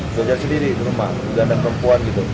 belajar sendiri di rumah dandan perempuan gitu